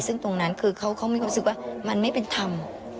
ซึ่งตรงนั้นคือเขามีความรู้สึกว่ามันไม่เป็นธรรม